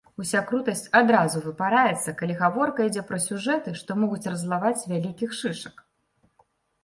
Уся крутасць адразу выпараецца, калі гаворка ідзе пра сюжэты, што могуць раззлаваць вялікіх шышак.